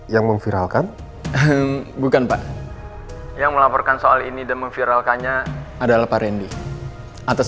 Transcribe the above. yang memviralkan bukan pak yang melaporkan soal ini dan memviralkannya adalah pak randy atas